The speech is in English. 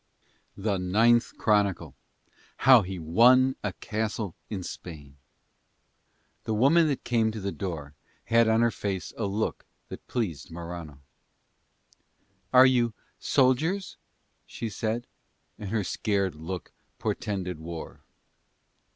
THE NINTH CHRONICLE HOW HE WON A CASTLE IN SPAIN The woman that came to the door had on her face a look that pleased Morano. "Are you soldiers?" she said. And her scared look portended war.